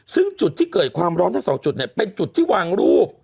ซึ่งจุดที่เกิดความร้อนทั้งสองจุดเนี่ยเป็นจุดที่วางรูป